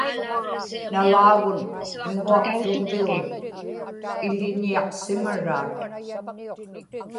nalaagun miŋuaqtuġvium iḷiñiaqsimaraat